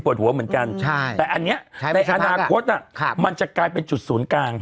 ปวดหัวเหมือนกันใช่แต่อันเนี้ยในอนาคตอ่ะครับมันจะกลายเป็นจุดศูนย์กลาง